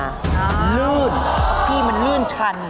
น้ำลื่นที่มันลื่นชัน